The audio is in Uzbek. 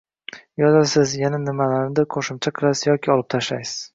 Yozasiz, yana nimalarnidir qo‘shimcha qilasiz yoki olib tashlaysiz